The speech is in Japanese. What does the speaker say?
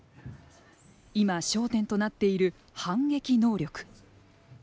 今、焦点となっている「反撃能力」。